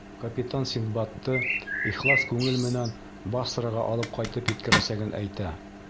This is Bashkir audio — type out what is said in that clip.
Капитан Синдбадты ихлас күңел менән Басраға алып ҡайтып еткерәсәген әйтә.